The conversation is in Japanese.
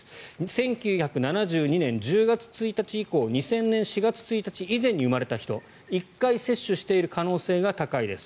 １９７２年１０月１日以降２０００年４月１日以前に生まれた人１回接種している可能性が高いです。